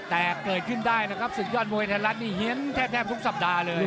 แต่เกิดขึ้นได้นะครับศึกยอดมวยไทยรัฐนี่เฮียนแทบทุกสัปดาห์เลย